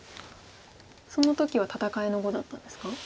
その時は戦いの碁だったんですか？